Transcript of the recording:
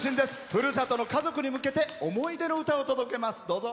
ふるさとの家族に向けて思い出の歌を届けます。